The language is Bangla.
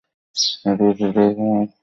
এতবছর ধরে, তোমার গবেষণায় অর্থায়ন করেছি।